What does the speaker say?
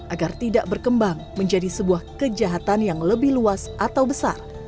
agar tidak berkembang menjadi sebuah kejahatan yang lebih luas atau besar